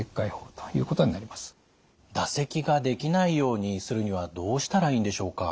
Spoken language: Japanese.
唾石ができないようにするにはどうしたらいいんでしょうか。